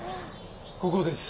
ここです。